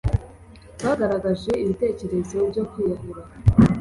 bagaragaje ibitekerezo byo kwiyahura